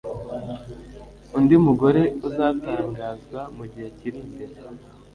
Undi mugore uzatangazwa mu gihe kiri imbere